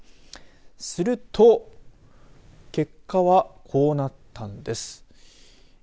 すると結果はこうなったんです。